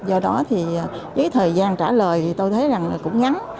do đó thì với thời gian trả lời thì tôi thấy rằng cũng ngắn